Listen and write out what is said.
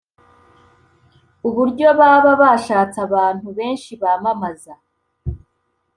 uburyo baba bashatse abantu benshi bamamaza